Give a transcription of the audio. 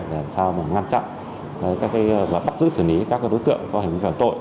để làm sao ngăn chặn bắt giữ xử lý các đối tượng có hình phạm tội